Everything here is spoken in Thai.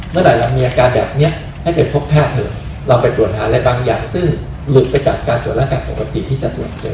เมื่อไหร่เรามีอาการแบบนี้ให้ไปพบแพทย์เถอะเราไปตรวจหาอะไรบางอย่างซึ่งหลุดไปจากการตรวจร่างกายปกติที่จะตรวจเจอ